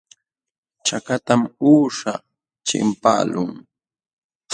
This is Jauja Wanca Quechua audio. Chakatam uusha chimpaqlun.